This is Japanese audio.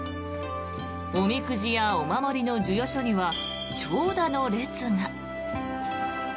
おみくじやお守りの授与所には長蛇の列が。